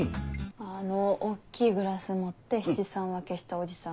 あの大っきいグラス持って七三分けしたおじさんが。